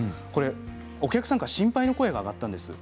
お客さんの心配の声が上がったんです。